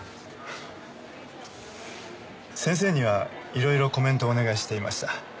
先生にはいろいろコメントをお願いしていました。